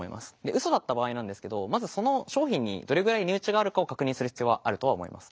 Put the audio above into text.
ウソだった場合なんですけどまずその商品にどれぐらい値打ちがあるかを確認する必要はあるとは思います。